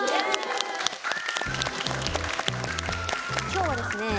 今日はですね